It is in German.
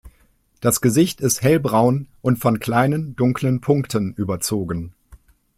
Das Gesicht ist hellbraun und von kleinen, dunklen Punkten überzogen.